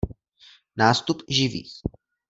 Nástup živých.